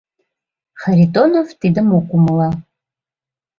Харитонов тидым ок умыло».